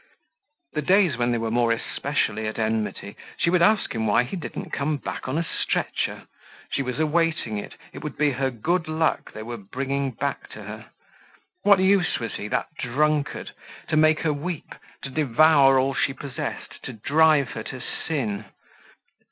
The days when they were more especially at enmity she would ask him why he didn't come back on a stretcher. She was awaiting it. It would be her good luck they were bringing back to her. What use was he—that drunkard? To make her weep, to devour all she possessed, to drive her to sin.